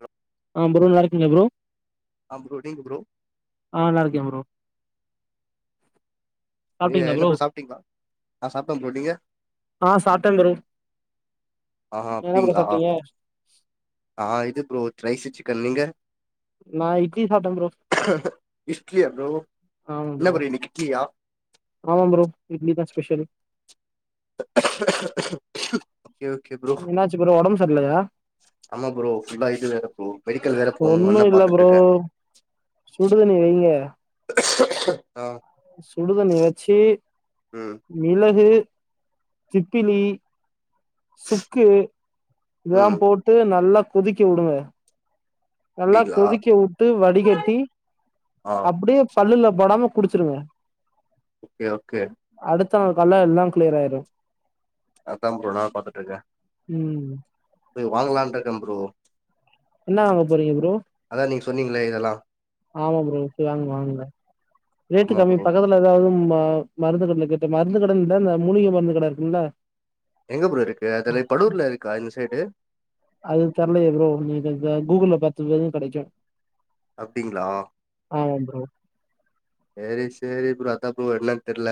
அ அ ப்ரோ நல்லா இருக்கீங்களா ப்ரோ அ ப்ரோ நீங்க ப்ரோ அ நல்லா இருக்கேன் ப்ரோ என்ன ப்ரோ சாப்பிட்டீங்களா ஆ சாப்பிட்ட ப்ரோ நீங்க ஆ சாப்ட்டே ப்ரோ ஆ என்ன ப்ரோ அப்டிங்களா சாப்ட்டீங்க ஆ இது ப்ரோ ரைஸ் சிக்கன் நீங்க நா இட்லி சாப்ட்டே ப்ரோ ஆமா ப்ரோ [unintelligible] ஆமா ப்ரோ இட்லி தா ஸ்பெஷல் ஓகே ஓகே ப்ரோ என்னாச்சு ப்ரோ ஒடம்பு சரி இல்லையா ஆமா ப்ரோ ஃபுல்லா இது வேற ப்ரோ மெடிக்கல் வேற ஒண்ணு போணும்னா இல்ல பாத்துட்டு ப்ரோ இருக்கேன் சுடுதண்ணி வைங்க ஆ சுடுதண்ணி வச்சு ம் மிளகு, திப்பிலி சுக்கு இதெல்லா ம் போட்டு நல்லா கொதிக்க வுடுங்க நல்லா அப்டிங்களா கொதிக்க வுட்டு வடிகட்டி ஆ அப்டியே பல்லுல படாம குடிச்சிருங்க ஓகே ஓகே அடுத்த நாள் கால்ல எல்லா கிளியர் ஆயிரு அதா ப்ரோ நா பாத்துட்டு இருக்க ம் போய் வாங்கலானு இருக்க ப்ரோ என்ன வாங்க போறீங்க ப்ரோ அதா நீங்க சொன்னீங்களே இதெல்லா ஆமா ப்ரோ போய் வாங்குங்க வாங்குங்க ரேட்டு ஆமா கம்மி ப்ரோ பக்கத்து ல ஏதாவது ம மருந்து கடைல கேட்டு மருந்து கடைல இல்ல இந்த மூலிகை மருந்து கடை இருக்கும்ல எங்க ப்ரோ இருக்கு அதுலா படூகூர்ல இருக்கா இந்த சைடு அது தெர்லயே ப்ரோ நீங்க இந்த கூகுள்ல பாத்து பாருங்க கெடைக்கு அப்டிங்ளா ஆமா ப்ரோ சேரி சேரி ப்ரோ அதா ப்ரோ என்னன்னு தெர்ல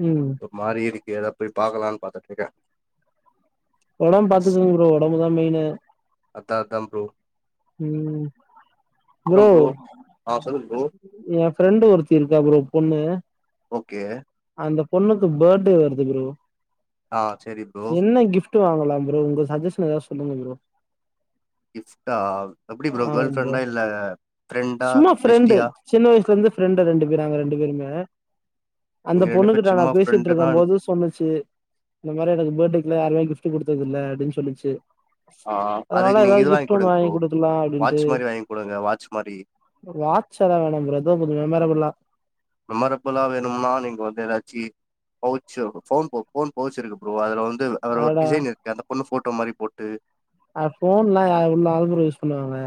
ம் ஒரு மாரி இருக்கு ஏதா போய் பாக்கலான்னு பாத்துட்டு இருக்கே ஒடம்ப பாத்துக்கோங்க ப்ரோ ஒடம்புதா மெயினு அதா அதா ப்ரோ ம், ப்ரோ ஆ சொல்லுங் எ ஃப்ரெண்டு ஒருத்தி இருக்கா ப்ரோ பொண்ணு ஓகே அந்த பொண்ணுக்கு பர்த்டே வருது ப்ரோ, ஆ சரி ப்ரோ என்ன கிஃப் ட்டு வாங்கலா ப்ரோ? உங்க சஜஷன் ஏதாவது சொல்லுங்க ப்ரோ கிஃப்ட்டா எப்டி ப்ரோ கேர்ள் ஃப்ரெண்டா இல்ல ஃப்ரெண்டா சும்மா ஃப்ரெண்டு பெஸ்ட்டியா சின்ன வயசுல இருந்து ஃப்ரெண்டு ரெண்டு பேரு நாங்க ரெண்டு பேருமே அந்த நீங்க ரெண்டு பொண்ணு பேர் கிட்ட நா சும்மா பேசிட்டு ஃப்ரெண்டுனா இருக்கும் போது சொல்லுச்சு இந்த மாரி எனக்கு பர்த்டேக்குலா யாருமே கிஃப்ட் குடுத்தது இல்ல அப்டின்னு சொல்லிச்சு ஆ அதனால அதுக்கு நீங்க ஏதாவது இது கிஃப்ட் ஒன்னு குடுங்க வாங்கி ப்ரோ குடுக்கலா அப்டின்ட்டு வாட்ச் மாரி வாங்கி குடுங்க வாட்ச் மாரி வாட்ச் எல்லா வேணா ப்ரோ எதோ கொஞ்சோ மெமரபுல்லா மெமரபுல்லா வேணும்னா நீங்க வந்து ஏதாச்சு பவுச் ஃபோன் ஃபோன் பவுச் இருக்கு ப்ரோ அதுல வந்து ஒரு அடடா டிசைன் இருக்கு அந்த பொண்ணு போட்டோ மாரி போட்டு அ ஃபோன்லா யா எவ்ளோ நாள் ப்ரோ யூஸ் பண்ணுவாங்க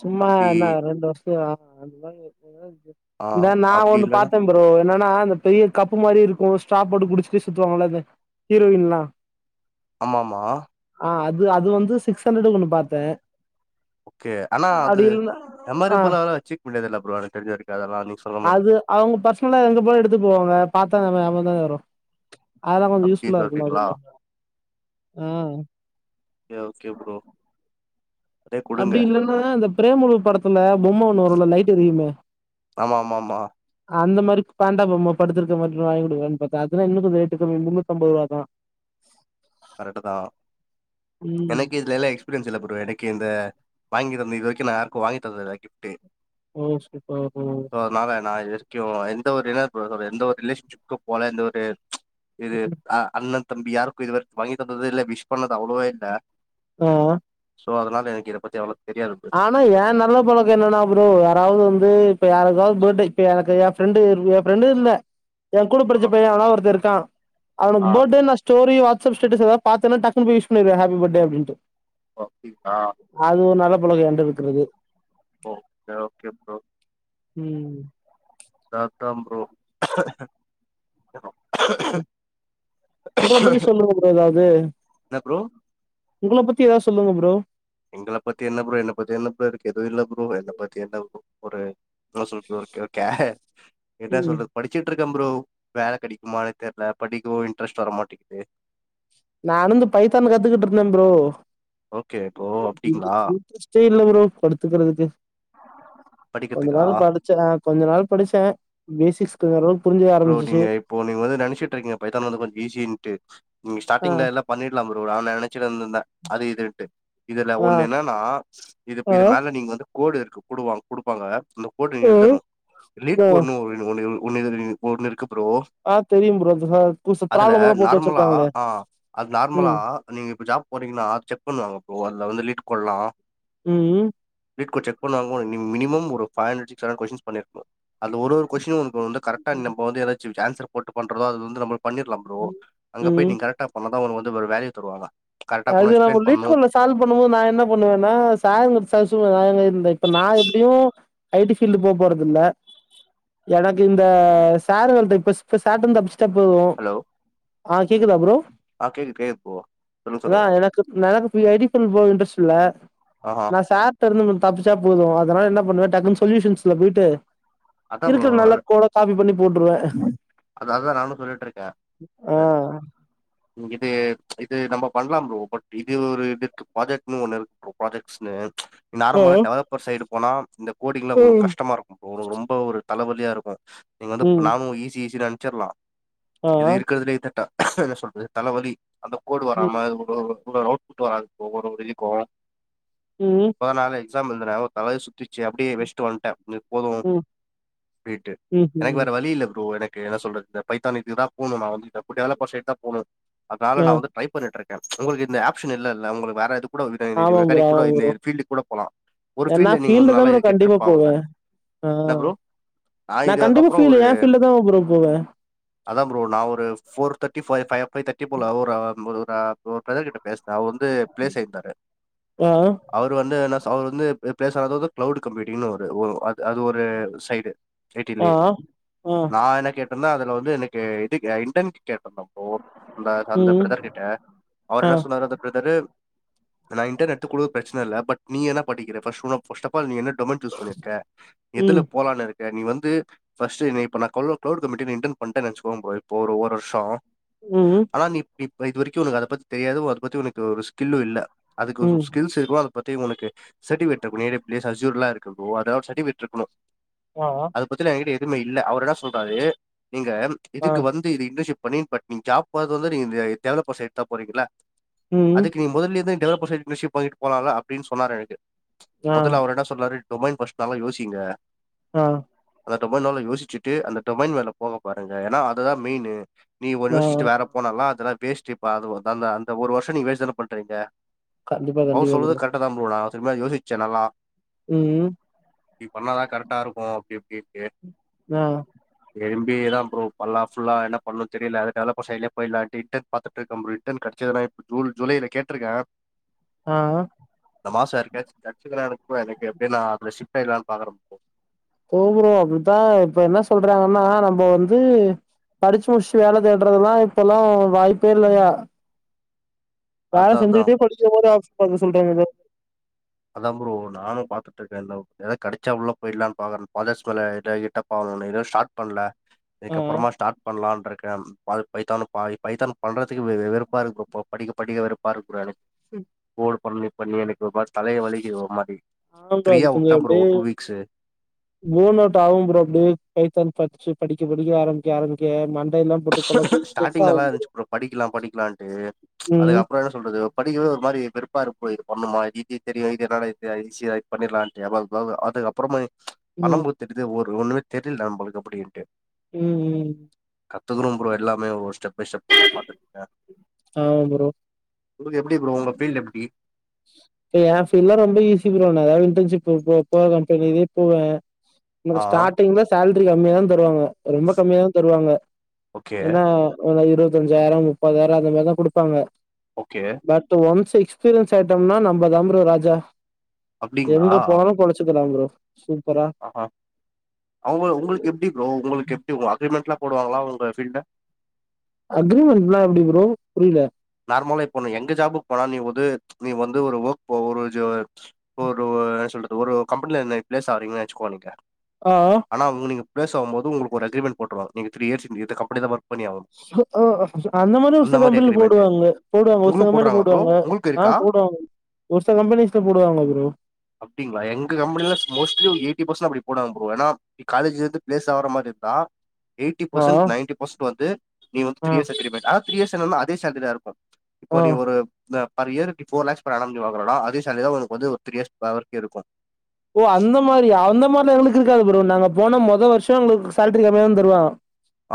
சும்மா அப்டி என்ன ரெண்டு வருஷ க்கா ஆ இந்த நா அப்டி ஒன்னு இல்லன்னா பாத்தே ப்ரோ என்னன்னா அந்த பெரிய கப்பு மாரி இருக்கு ஸ்ட்ரா போட்டு குடிச்சுட்டே சுத்துவாங்கல்ல அத ஹீரோயின்லா ஆமாமா ஆ அது அது வந்து சிக்ஸ் ஹண்ட்ரடக்கு ஒன்னு பாத்தே ஓகே ஆனா அது அப்டி இல்ல ஆ மெமரபில்லாலா வச்சிக்க முடியாதுல்ல ப்ரோ எனக்கு தெரிஞ்ச வரைக்கு அதெல்லா நீங் அது அவங்க பர்சனலா எங்க போனாலு எடுத்து போவாங்க பாத்தா நம்ம ஞாபகந்தானே வரு அதெல்லா கொஞ்சோ யூஸ் அப்டி ஃபுல்லா இருக்க மாதிரி சொல்றீங்களா இல்ல, ஆ ஓகே ஓகே ப்ரோ அதே குடுங்க அப்டி இல்லன்னா இந்த பிரேமலு படத்துல பொம்மை ஒண்ணு வரு இல்ல லைட் எரியுமே ஆமாமாமா அந்த மாரி பேண்டா பொம்மா படுத்திருக்க மாரி வாங்கி குடுக்கலான் பாத்தா அதுனா இன்னு கொஞ்சோ ரேட்டு கம்மி முன்னூத்தம்பது ரூபாதான் கரெக்ட்டுதான் ம் எனக்கு இதுல எல்லா எக்ஸ்பீரியன்ஸ் இல்ல ப்ரோ எனக்கு இந்த வாங்கி தந்தது இது வரைக்கு நான் யாருக்கு வாங்கி தந்ததில்ல கிஃப்ட்டு ஓ சூப்பரா போனாங்க சோ அதனால நா இது வரைக்கு எந்த ஒருனா எப்டி சொல்றது எந்த ஒரு ரிலேஷன்ஷிப்க்கு போல எந்த ஒரு இது அ அண்ணன் தம்பி யாருக்கு இது வரைக்கு வாங்கி தந்ததுல்ல விஷ் பண்ணது அவ்ளவா இல்ல ஆ சோ அதனால எனக்கு இது பத்தி அவ்ளவா தெரியாது ப்ரோ ஆனா என் நல்ல பழக்கோ என்னன்னா ப்ரோ யாராவது வந்து இப்ப யாருக்காவது ப்ர்த்டே இப்ப எனக்கு ஃப்ரெண்ட்டு என் ஃப்ரெண்ட்டு இல்ல என் கூட படிச்ச ஆ பையன் எவனா ஒருத்தன் இருக்கான் அவனுக்கு ஆ ப்ர்த்டே நெஷ் ஸ்டோரி வாட்ஸ்அப் ஸேட்டஸ் எதா பாத்தன்னா டக்குன்னு போயி விஷ் பண்ணிருவன் ஹேப்பி ப்ர்த்டே அப்டின்ட்டு ஓ அப்படிங்ளா அது ஒ நல்ல பழக்கோ என்ட்ட இருக்கறது ஓ ஓகே ஓகே ப்ரோ ம் சாப்ட்டன் ப்ரோ உங்கள பத்தி சொல்லுங்க ப்ரோ எதாவது என்ன ப்ரோ உங்கள பத்தி எதாவது சொல்லுங்க ப்ரோ எங்கள பத்தி என்ன ப்ரோ என்ன பத்தி என்ன ப்ரோ இருக்கு எதுவு இல்ல ப்ரோ என்ன பத்தி என்ன ப்ரோ ஒரு என்னா சொல்றது ஒ ஒரு கே என்னா ம் சொல்றது படிச்சிட்டு இருக்கன் ப்ரோ வேல கெடைக்குமான்னே தெர்ல படிக்கவு இன்ட்ரெஸ்ட் வர மாட்டீங்கிது நானு இந்த பைத்தான் கத்துக்கிட்டிருந்தன் ப்ரோ ஓகே ப்ரோ அப்டிங்களா ச்சை இல்ல ப்ரோ படுத்துக்கிறதுக்கு கொஞ்ச படிக்கிறதுக்கா நாள் படு ச்ச கொஞ்ச நாள் படிச்சன் பேசிக்ஸ் கொஞ்சோ ஓரளவு புரிஞ்ச ப்ரோ ஆரம்பிச்சுச்சு நீங்க இப்போ நீங்க வந்து நெனச்சிட்டுருக்கீங்க பைத்தான் வந்து கொஞ்சோ ஈஸின்ட்டு நீங்க ஆ ஸ்டார்டிங்ல எல்லா பண்ணிடலாம் ப்ரோ நா நெனச்சிட்டு இருந்தன் அது இதுன்ட்டு இதுல ஆ ஒண்ணு என்னன்னா இது ஆ இது மேல நீங்க வந்து கோடு இருக்கு போடுவாங்க குடுப்பாங்க அந்த கோடு நீங்க உ எழுதணு லீட் ஆ கோடுன்னு ஒன்னு ஒன்னு ஒன்னு இருக்கு ப்ரோ ஆ தெரியும் ப்ரோ அந்த புதுசு அதுல ப்ராப்ளம் எல்லா போட்டு நார்மலா வச்சிருப்பாங்களே ஆ அது நார்மலா ம் நீங்க இப்போ ஜாப் போறீங்கன்னா செக் பண்ணுவாங்க ப்ரோ அதுல வந்து லீட்டு் கொள்லா ம் வீட்ல கோடு செக் பண்ணுவாங்கோ நீங்க மினிமம் ஒரு five hundreds six hundred question பண்ணிருக்கனு அந்த ஒரு ஒரு கொஷின் உனக்கு வந்து ன்ட்டா என்ன ப்ரோ எதாச்சு சான்சர் போட்டு பண்றதோ அது வந்து நம்ம பண்ணிர்லாம் ப்ரோ அங்க போய்ட்டு ம் நீங்க கரெக்ட்டா பண்ணாதான் உங்க வந்து ஒரு வேல்யூ தருவாங்கலா அது நம்ம லீட்ஸ் கோடுல சால்வ் பண்ணும்போது நான் என்ன பண்ணுவன்னா [unintelligible] இந்த இப்ப நா எப்டியு ஐ டி ஃபீல்டுல போ போறது இல்ல எனக்கு இந்த சேறுகளிட்ட இப்ப சே சேட்டன் தப்பிச் சா போது ஹலோ ஆ கேக்குதா ப்ரோ ஆ கேக் கேக்குது ப்ரோ சொல்லுங்க சொல்லுங்க அதான் எனக்கு எனக்கு எடிஷன் போ இன்ட்ரெஸ்ட் இல்ல ஆஹா நா சா ர்ட்டா இருந்து நம்ம தப்பிச்சா போது அதனால என்ன பண்ணுவன் டக்குன்னு சொல்யூஷன்ஸ்ல போயிட்டு அதான் ப்ரோ இருக்கிற நல்ல கோட காப்பி பண்ணி போட்டுருவன் அதுஅதா நானு சொல்லிட்ருக்கே ஆ இது இது நம்ப பண்லா ப்ரோ பட் இது ஒரு இடுக்கு ப்ராஜெக்ட்னு ஒண்ணு இருக் ப்ராஜெக்ட்ஸ்ஸினு ஆ நார்மலா டெவலப்பர் சைடு போனா இந்த கோடிங்ல உனுக் ம் கஷ்டமா இருக்கு ப்ரோ ரொம்ப ஒரு தலைவலியா இருக்கு நீங் வந்து ம் நானு ஈஸி ஈஸி நென்ச்சிர்லா ஆ இது இருக்கிறதுலே இத ட என்ன சொல்றது தலைவலி அந்த கோடு ம் வராம அவுட் புட் வராதுவ் [unintelligible] ம் இப்பதா நானே எக்ஸாம் எழ்துன தலயே சு எந்ச்சி அப்டியே வெஸ்டு வன்ட்டே போதும் ம் ரேட்டு ம் எனக்கு ம் வேற வழி இல்ல ப்ரோ எனக் என்ன சொல்றது இந்த பைத்தானுக்குதா போனு நா வந்து எப் டெவலப்பர் சைடு தா போனு அதால ஆ நா வந்து டிரை பண்ணிட்ருக் உங்ளுக்கு இந்த ஆப்ஷன் இல்லல்ல உங்ளுக்கு வேற எது கூட ஒரு இதாய்னி நீ ஆமா ப்ரோ மெக்கானிக் கூட ஆமா இந்த ப்ரோ இயர் ஃபீல்டுக் கூட போலா ஒரு நா பீல்ல நீங்க வ ஃபீல்டு தா ப்ரோ நறைய கண்டிப்பா கேட்ருப்பாங்க போவே ஆ நா கண்டிப்பா இதுக்கப்புறம் ஃபீல் எ ஃபீல்லு தா ப்ரோ போவே அதா ப்ரோ நா ஒரு ஃபோர் தேர்டிஃபைவ் பைவ் தேர்டி போர்ல ஒரு ஒரு ஒரு பிரதர் கிட்ட பேச்ன அவர் வந்து பிளேஸ் அய்டாரு ஆ அவர் வந்து இன்ன அவர் வந்து பிளேஸ் ஆனது வந்து கிளவுட் கம்ப்பேட்டிங்னு ஒரு அ அது ஒரு சைடு ஆ ஆ ம் ஆ என்ன கேட்டிருந்த அதுல வந்து எனக்கு இது இண்டன்க்கு கேட்டிருந்தாப்போ அந்த அந்த ம் பிரதர் கிட்ட அவரு ஆ என்ன சொன்னாரு அந்த பிரதரு நா இன்டன் எட்து கூடு பிரச்ன இல்ல பட் நீ என்ன படிக்கிற பஸ்ட் நா ஃபுஸ்டபால் நீ என்ன டொமன் சூஸ் பண்ணிர்க்க ம் எதுல போலான் இருக்க நீ வந்து ஃபஸ்ட்டு இப்ப நா [unintelligible] மட்டு நீ இன்டர்ன் பண்டனு வச்சுகோங் ப்ரோ இப்போ ஒரு வர்ஷோ ம் ஆனா நீ இப் இப்ப இது வரைக்கு உனக் அத பத்தி தெரியாது அத பத்தி உனக்கு ஒரு ஸ்கில்லு இல்ல ம் அதுக்கோசம் ஸ்கில்ஸ் இருக்குவ பத்தி உனுகு சர்டிவேட் அப் நேடே பிளேஸ் ஆவ சுயூர்ல இருக்கு ப்ரோ அதாவ்து சர்டிவேட் ருக்குணு ஆ அதபத்தன ஏங்கிட்ட எதுமே இல்ல அவர் இன்ன சொல்றாரு நீங்க ஆ இதுக்கு வந் இதுக் இது இன்டர்ஷிப் பண்ணி பட் நீங் ஜாப்பாது வந்து நீங் இந்த டெவலப்பர் சைட்தா போறீங்ள ம் அதுக்கு நீங் முதலிந்தே டெவலப்பர் சைட் இன்டர்ஷிப் வாங்கிட்டு போலல அப்டின் சொன்னாரு எனக்கு ஆ முதல்ல அவரு இன்ன சொன்னாரு ரொம்பய்ம் பஸ் நல்லா யோசிங்க ஆ அந்த டொமைன் வேல யோச்சுட்டு அந்த டொமைன் வேல போக பாருங்க ஏனா அதுதா மெயினு நீ ஒன் ஆ யோச்சிட்டு வேற போனலா அதுலா வேஸ்டுபா அந்த ஒரு நாள்தா அந்த ஒரு வர்ஷ நீ வேஸ்ட் தான பண்றீங்க கண்டிப்பா அவர் கண்டிப்பா சொல்றது ப்ரோ கரெட்டா தா ப்ரோ நா திரும்பயு யோசிச்சே நல்லா ம் நீ பண்ணாதா கரெட்டா இருக்கு அப்டி எப்டி இருக்கு ஆ எம் பி யே தா ப்ரோ பண்லா ஃபுல்லா என்னா பண்ணு தெரியல அத டெவலப்பர் சைட்லயே போய்லான்டு இன்டர்ன் பாத்துட்டு இருக்க ஃப்ரோ இன்டர்ன் கெட்சுதுனா இப் ஜூன் ஜூலைல கேட்ருக்கே ஆ இந்த மாசோ யார்கிட்டயாச்சு கெட்சுதுனா எனக்கு எப்டினா அது ஷிப்ட் ஆயிரலான்னு பாக்ர ப்ரோ போகுனு அப்டிதா இப்ப என்ன சொல்றாங்கன்னா நம்ப வந்து படுச்சு முடிச்சு வேல தேட்றதெல்லா இப்பெல்லா வாய்ப்பே இல்லயா வேல அதா அதா செஞ்சிட்டே பஸ்டே போது ஆபிஸ் பாக்க சொல்றாங்க ங்க அதா ப்ரோ நானு பாத்துட்ருக்கே இந்த ஏதாது கெடச்சா உள்ள போயிட்லான் பாக்கறே [unintelligible] கிட்ட பாக்கனு இரு ஸ்டார்ட் பண்ல ஆ இதுக்கப்றமா ஸ்டார்ட் பண்லான்ட்ருக்கே பா பைத்தானு பாய் பைத்தான் பண்றதுக்கு வெ வெறுப்பாருக்கு ப்ரோ போ படிக்க படிக்க வெறுப்பாருக்கு ப்ரோ எனக் கோடு பண்ணி பண்ணி எனக்கு வாச் தலையே வலிக்கிது ஒரு மாரி ஆமா ப்ரோ அது ஃப்ரீயா உட்ட ஃப்ரோ ஒரு டூ வீக்ஸு போனவுட் ஆகும் ப்ரோ அப்டியே பைத்தான் படிச்சு படிக்க படிக்க ஆரம்பிக்க ஆரம்பிக்க மண்டையெல்லா போட்டு கொழப்பி ஸ்ட்ரெஸ் ஸ்டார்ட்டிங் நல்லா ஆகும் இருந்துச்சி ப்ரோ படிக்கலா படிக்கலான்ட்டு ம் அதுக்கப்ரோ என்ன சொல்றது படிக்கவே ஒரு மாரி வெறுப்பா இருக்கு ஃப்ரோ இது பண்ணுமா இதி இது தெரியு இது என்னடா இது [unintelligible] பண்ணிரலான்ட்டு எபக் பவ் அதுக்கப்றமா ம் பண்ணம்போது தெரிது ஒரு ஒண்ணுமே தெரியல நம்மளுக்கு அப்டின்ட்டு ம் ம் கத்துக்கறும் ப்ரோ எல்லாமே ஒரு ஸ்டெப் பை ஸ்டெப்பா பாத்து ஆமா ப்ரோ உங்களுக்கு எப்டி ப்ரோ உங்க ஃபீல்டு எப்பிடி க ஏ பீல்லா ரொம்ப ஈஸி ப்ரோ நான் எதாவது இன்டர்ன்ஷிப்பு போ போற கம்பெனிவே போவே ஆ நமக்கு ஸ்டார்டிங்ல சேல்ரி கம்மியா தா தருவாங்க ரொம்ப கம்மியா தா தருவாங்க ஓகே ஏன்னா ஓல இருவத்தஞ்சாயிரோ முப்பதாயிரோ அந்த மாரிதா குடுப்பாங்க ஓகே பட்டு ஒன்ஸ் எக்ஸ்பீரியன்ஸ் ஆயிட்டம்னா நம்மதாம் ப்ரோ ராஜா அப்படிங்களா எங்கப் போனாலு பொழச்சுக்கலா ப்ரோ சூப்பரா ஆஹா அவங்க உங்கள்க் எப்டி ப்ரோ உங்களுக்கெப்டி உங்க அக்ரிமெண்ட்லா போடுவாங்களா உங்க ஃபீல்ட்ல அக்ரிமெண்ட்னா எப்டி ப்ரோ புரியலே நார்மலா இப்பொ ந எங்க ஜாபுக் போனாலு நீ வந்து நீ வந்து ஒரு ஒர்க் போ ஒரு ஜோ ஒரு வ என்ன சொல்றது ஒரு கம்பெனில நெ பிளேஸ் ஆகுறீங்கனு வச்சுக்கோ நீங்க ஆஹ் ஆன உங்க நீங்க ப்ளேஸ் ஆகும் போது உங்களுக்கு ஒரு அக்ரிமெண்ட் போட்ருவாங்க நீங்க த்ரீ இயர்ஸ் இங்க இந்த கம்பனிதா வொர்க் ஆ அந்த மாரி ஒரு சில கம்பெனில போடுவாங்க போடுவாங்க ஒருசில உங்களுக்கு கம்பெனில போடுறாங்களா ப்ரோ போடுவாங்க உங்களுக்கு இருக்கா ஆஹ் போடுவாங்க ஒரு சில கம்பெனீஸ்ல போடுவாங்க ப்ரோ அப்டிங்களா எங்க கம்பெனில மோஸ்ட்லீ ஒரு எய்ட்டீ பெர்சன்ட் அப்டி போடுவாங்க ப்ரோ ஏனா இ காலேஜிலந்து பிளேஸ் ஆவுற மாரி இருந்தா எயிட்டி ஆ ஃப்ரசன்ட் நைன்டி ஃப்ரசன்ட் வந்து நீ வந்து ஆ த்ரீ இயர் அக்ரீமன்ட் ஆனா த்ரீ இயர்ஸ் ஆனானா அதே சேலரீதா இருக் இப்போ ஆ நீ ஒரு த பெர் இயருக் போர் லேக்ஸ் பெர் ஆனம் வாங்குறனா அதே சேலரிதா உனக்கு வந்து ஒரு த்ரீ இயர்ஸ் பே வரைக்கு இருக்கு ஓ அந்த மாரியா அந்த மாரிலா எங்களுக்கு இருக்காது ப்ரோ நாங்க போன மொத வருஷோ எங்களுக்கு சேலரி கம்மியாதா தருவா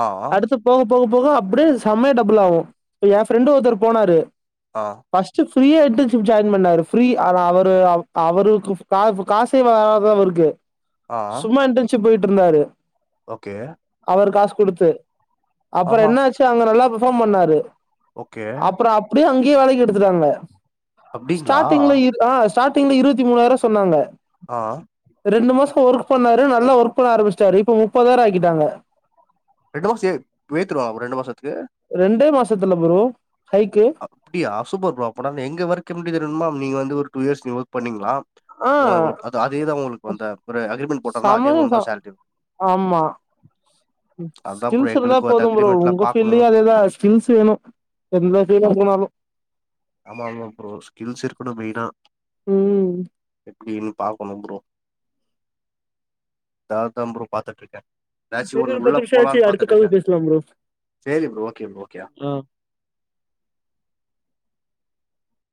ஆ அடுத்து போக போக போக அப்டியே செமையா டபுள் ஆகூ இப்ப எஏ ஃப்ரெண்டு ஒருத்தரு போனாரு ஆ பஸ்ட்டு ஃப்ரீயா இன்டென்ஷிப் ஜாயின் பண்ணாரு ஃப்ரீ ஆனா அவரு அவ் அவருக்கு ஸ்டாஃபூ காசே வலாதவருக்கு ஆ சும்மா இன்டர்ன்ஷிப் போயிட்ருந்தாரு ஓகே அவரு காசு குடுத்து அப்பறோ ஆஹா என்ன ஆச்சி அங்க நல்லா பெர்ஃபார்ம் பண்ணாரு ஓகே அப்புறோ அப்டியே அங்கேயே வேலைக்கெடுத்துட்டாங்க அப்டிங்களா ஸ்டாட்டிங்ல இரு ஆ ஸ்டார்டிங்ல இருவத்தி மூணாயிருவா சொன்னாங்க ஆஹ் ரெண்டு மாசோ ஒர்க் பண்ணாரு நல்லா ஒர்க் பண்ண ஆரம்பிச்சிட்டாரு இப்ப முப்பதாயிரோ ஆக்கிட்டாங்க ரெண்டு மாசோ ஏ வேத்துருவாம் ரெண்டு மாசத்துக்கு ரெண்டே மாசத்துல புரோ ஹைக்கூ அப்டியா சூப்பர் ப்ரோ அப்பனா எங்க ஒர்க் எப்டி தெரினுமா நீங்க வந்து ஒரு டூ இயர்ஸ் நீங்க ஒர்க் பண்ணீங்ளாம் ஆ ஓ அந் ஒர்க் அது அதேதா ஒங்களுக்கு வந்த ஒரு அக்ரிமெண்ட் போட்டார்னா அதே சமய ஒன்தா ச சேலரி ஆமா அதா ப்ரோ ஸ்கில்ஸ் இருந்தா எங்களுக்கு அந்த போதும் ப்ரோ அக்ரிமெண்ட்லா உங்க பாக்கணு ஃபீல்ய அதேதா கில்ஸ் வேணு எந்த ஃபீல்ல போனாலு ஆமா ஆமா ப்ரோ ஸ்கில்ஸ் இருக்கணு மெயினா ம் எப்டினு பாக்கணு ப்ரோ அத தா ப்ரோ பாத்துட்டு இருக்கே எதாச்சி சரி ஒரு ஒண்ணு உள்ள பத்து நிமிஷோ போலானு ஆச்சு அடுத்த பாத்துட்டு கால்ல இருக்கே பேசலாம் ப்ரோ செரி ப்ரோ ஓகே ஓகே ஆ